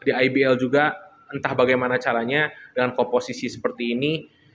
di ibl juga entah bagaimana caranya dengan komposisi seperti ini